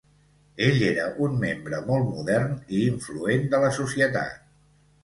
Ell era un membre molt modern i influent de la societat.